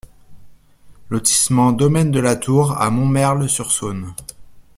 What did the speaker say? Lotissement Domaine de la Tour à Montmerle-sur-Saône